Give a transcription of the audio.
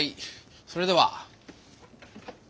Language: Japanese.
それでは。